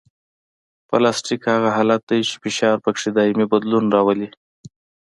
پلاستیک هغه حالت دی چې فشار پکې دایمي بدلون راولي